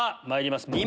まいります